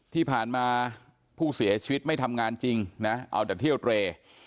ที่ผ่านมาผู้เสียชีวิตไม่ทำงานจริงนะเอาแต่เที่ยวเตร